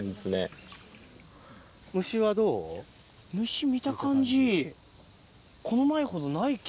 虫見た感じ。